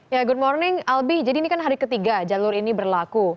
ya good morning albi jadi ini kan hari ketiga jalur ini berlaku